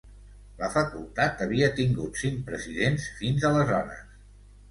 La facultat havia tingut cinc presidents fins aleshores.